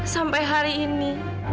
sampai hari ini